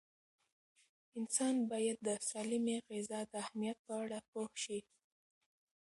انسان باید د سالمې غذا د اهمیت په اړه پوه شي.